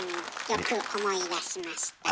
よく思い出しました。